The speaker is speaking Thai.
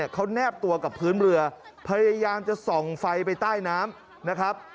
เขาแนบตัวกับพื้นเรือพยายามจะส่องไฟไปใต้น้ำนะครับ